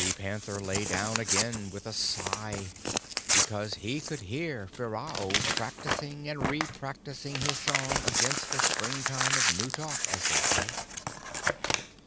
The panther lay down again with a sigh, because he could hear Ferao practising and repractising his song against the Springtime of New Talk, as they say.